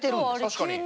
確かに。